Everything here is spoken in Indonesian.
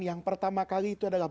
yang pertama kali itu adalah